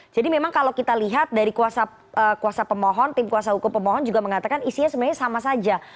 jadi memang kalau kita lihat dari kuasa pemohon tim kuasa hukum pemohon juga mengatakan isinya sebenarnya sama saja